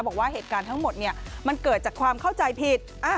บอกว่าเหตุการณ์ทั้งหมดมันเกิดจากความเข้าใจผิด